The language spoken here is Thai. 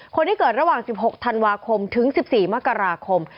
คนที่เกิดระหว่าง๑๖ธันวาคมถึง๑๔มกราคม